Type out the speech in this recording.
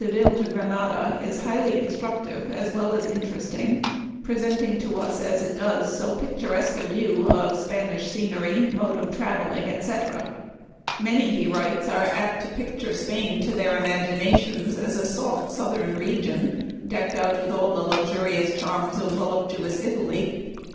ville to Granada is highly instructive as well as interesting, presenting to us, as it does, so pic turesque a view of Spanish scenery, mode of traveling, etc. " Many," he writes, " are apt to picture Spain to their imaginations as a soft southern region, decked out with all the lux urious charms of voluptuous Italy.